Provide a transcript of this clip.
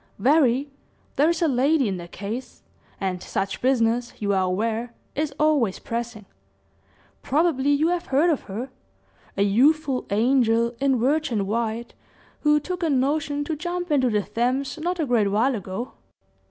"Very there is a lady in the case; and such business, you are aware, is always pressing. Probably you have heard of her a youthful angel, in virgin white, who took a notion to jump into the Thames, not a great while ago."